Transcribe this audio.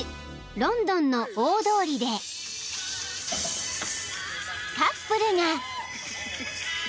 ［ロンドンの大通りでカップルが］